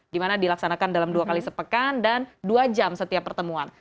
di mana dilaksanakan dalam dua kali sepekan dan dua jam setiap pertemuan